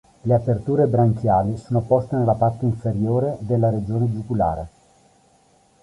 Le aperture branchiali sono poste nella parte inferiore della regione giugulare.